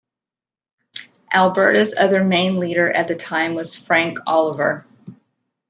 Alberta's other main leader at the time was Frank Oliver.